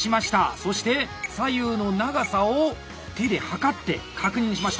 そして左右の長さを手で測って確認しました。